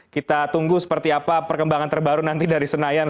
kita tunggu seperti apa perkembangan terbaru nanti dari senayan